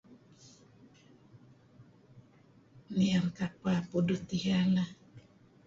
Nier kapeh pudut iyeh lah.